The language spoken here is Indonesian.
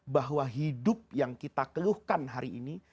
bahwa hidup yang kita keluhkan hari ini